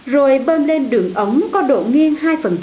rồi bơm lên đường ấm có độ nghiêng hai